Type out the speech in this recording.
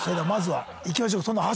はい。